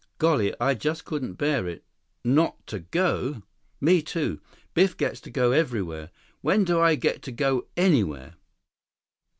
"Golly, I just couldn't bear it. Not to go!" "Me, too. Biff gets to go everywhere. When do I get to go anywhere?"